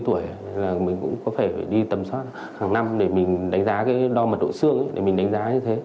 năm tuổi là mình cũng có phải đi tầm soát hàng năm để mình đánh giá cái đo mật độ xương để mình đánh giá như thế